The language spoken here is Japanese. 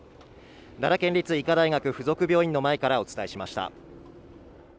奈良県立医科大学附属病院の前からお伝えしました。